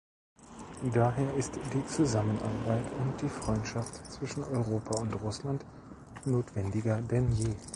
Daher ist die Zusammenarbeit und die Freundschaft zwischen Europa und Russland notwendiger denn je.